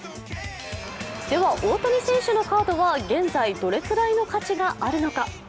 では大谷選手のカードは現在、どれくらいの価値があるのか？